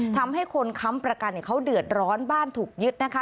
ทำให้คนค้ำประกันเขาเดือดร้อนบ้านถูกยึดนะคะ